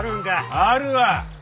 あるわ！